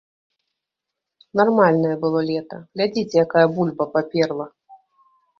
Нармальнае было лета, глядзіце, якая бульба паперла!